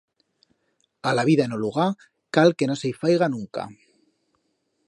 A la vida en o lugar, cal que no se i faiga nunca.